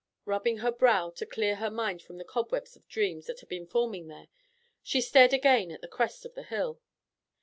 Rubbing her brow to clear her mind from the cobweb of dreams that had been forming there, she stared again at the crest of the hill.